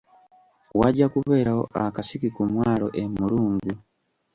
Wajja kubeerawo akasiki ku mwalo e Mulungu.